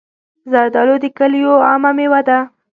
زردالو د کلیو عامه مېوه ده.